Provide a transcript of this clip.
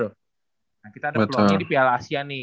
nah kita ada peluangnya di piala asia nih